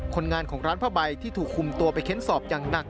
คนงานของร้านผ้าใบที่ถูกคุมตัวไปเค้นสอบอย่างหนัก